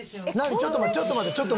ちょっと待ってちょっと待って。